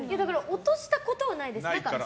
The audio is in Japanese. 落としたことはないです。